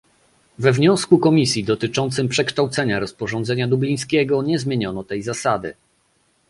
We wniosku Komisji dotyczącym przekształcenia rozporządzenia dublińskiego nie zmieniono tej zasady